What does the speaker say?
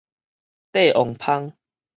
帝王蜂